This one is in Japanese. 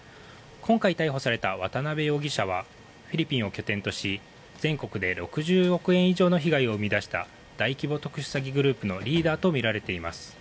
今回逮捕された渡邉容疑者はフィリピンを拠点とし全国で６０億円以上の被害を生み出した大規模特殊詐欺グループのリーダーとみられています。